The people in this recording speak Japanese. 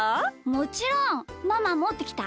もちろん！ママもってきた？